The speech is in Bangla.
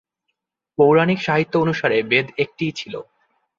পৌরাণিক সাহিত্য অনুসারে, বেদ একটিই ছিল।